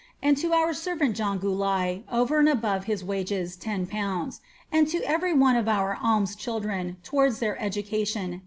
and to our servant John Galigh, orer and above his wages, 10/. ; and to e^ery one of our alms children, towards their education, 10